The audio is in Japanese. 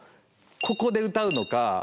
ここで歌うのか